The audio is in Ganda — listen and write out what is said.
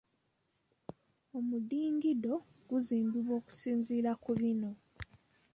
Omudigido guzimbwa okusinziira ku bino.